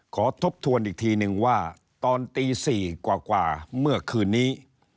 ทบทวนอีกทีนึงว่าตอนตี๔กว่าเมื่อคืนนี้